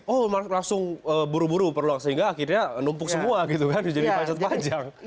oh langsung buru buru perlu sehingga akhirnya numpuk semua gitu kan jadi macet panjang